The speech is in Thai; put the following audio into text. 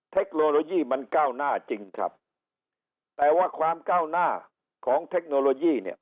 เทคโนโลยีมันก้าวหน้าจริงครับแต่ว่าความก้าวหน้าของเทคโนโลยีเนี่ย